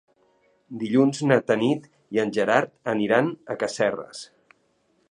Dilluns na Tanit i en Gerard aniran a Casserres.